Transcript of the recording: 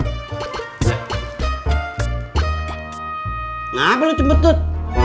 kenapa lu cempet tuh